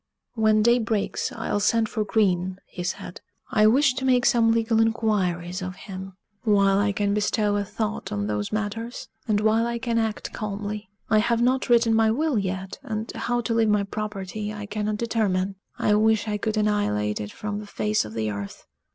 "When day breaks, I'll send for Green," he said; "I wish to make some legal inquiries of him, while I can bestow a thought on those matters, and while I can act calmly. I have not written my will yet, and how to leave my property I cannot determine! I wish I could annihilate it from the face of the earth."